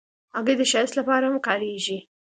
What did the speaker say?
هګۍ د ښایست لپاره هم کارېږي.